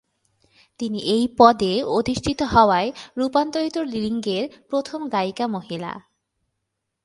তিনি এই পদে অধিষ্ঠিত হওয়া রূপান্তরিত লিঙ্গের প্ৰথম গায়িকা মহিলা।